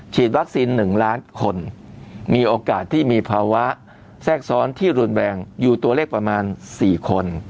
ฉีดวัคซีน๑ล้านคนมีโอกาสที่มีภาวะแทรกซ้อนที่รุนแรงอยู่ตัวเลขประมาณ๔คน